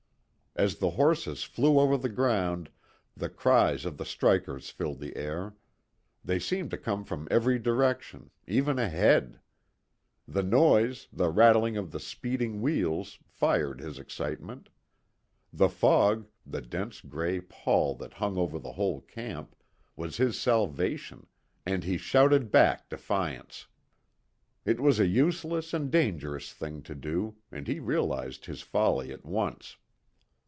As the horses flew over the ground the cries of the strikers filled the air. They seemed to come from every direction, even ahead. The noise, the rattle of the speeding wheels, fired his excitement. The fog the dense gray pall that hung over the whole camp was his salvation, and he shouted back defiance. It was a useless and dangerous thing to do, and he realized his folly at once.